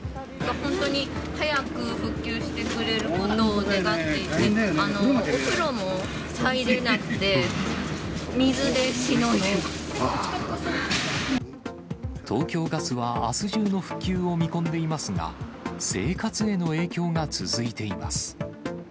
本当に早く復旧してくれることを願っていて、お風呂も入れなくて、東京ガスは、あす中の復旧を見込んでいますが、生活への影響が続いています。